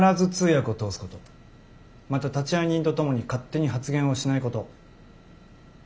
また立会人とともに勝手に発言をしないこと。